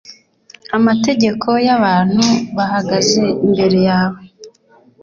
amategeko y’ abantu bahagaze imbere yawe